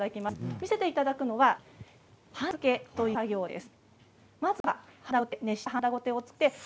見せていただくのははんだ付けという作業です。